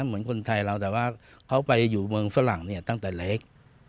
เหมือนคนไทยเราแต่ว่าเขาไปอยู่เมืองฝรั่งเนี่ยตั้งแต่เล็ก